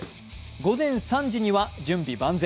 午前３時には準備万全。